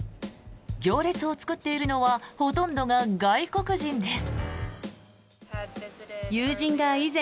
行列を作っているのはほとんどが外国人です。